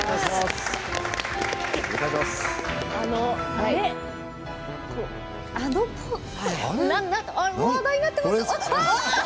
あれ話題になってますね。